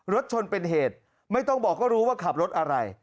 รถชนเป็นเหตุไม่ต้องบอกก็รู้ว่าขับรถอะไร